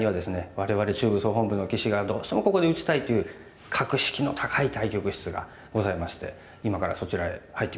我々中部総本部の棋士がどうしてもここで打ちたいという格式の高い対局室がございまして今からそちらへ入ってみたいと思います。